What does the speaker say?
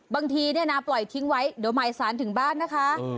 บางทีปล่อยทิ้งไว้เดี๋ยวไมสั่นถึงบ้านนะคะ